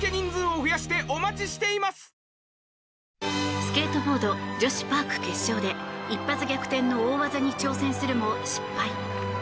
スケートボード女子パーク決勝で一発逆転の大技に挑戦するも失敗。